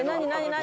何？